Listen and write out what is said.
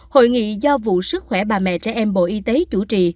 hội nghị do vụ sức khỏe bà mẹ trẻ em bộ y tế chủ trì